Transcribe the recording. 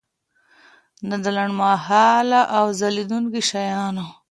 نه د لنډمهاله او ځلیدونکي شیانو.